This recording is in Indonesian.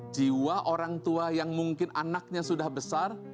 jiwa orang tua yang mungkin anaknya sudah besar